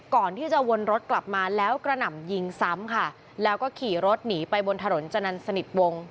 ก่อนที่จะวนรถกลับมาแล้วกระหน่ำยิงซ้ำค่ะแล้วก็ขี่รถหนีไปบนถนนจนันสนิทวง